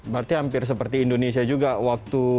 berarti hampir seperti indonesia juga waktu